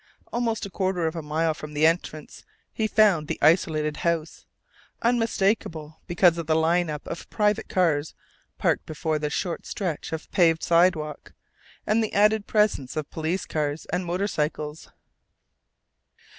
Almost a quarter of a mile from the entrance he found the isolated house, unmistakable because of the line up of private cars parked before the short stretch of paved sidewalk, and the added presence of police cars and motorcycles.